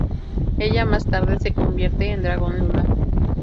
Ella más tarde se convierte en Dragón Lunar.